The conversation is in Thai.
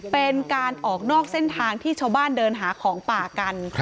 เป็นการออกนอกเส้นทางที่ชาวบ้านเดินหาของป่ากัน